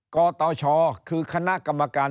กตชคือคณะกรรมการ